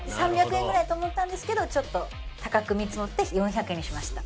３００円ぐらいと思ったんですけどちょっと高く見積もって４００円にしました。